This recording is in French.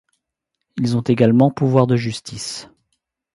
Ils ont également pouvoir de justice.